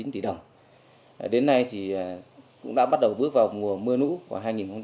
ba mươi chín tỷ đồng đến nay thì cũng đã bắt đầu bước vào mùa mưa nũ của hai nghìn một mươi sáu